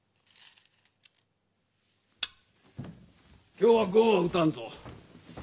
今日は碁は打たんぞ。